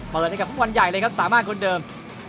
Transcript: พอแล้วได้กลับทางวันใหญ่เลยครับสามารถคนเดิม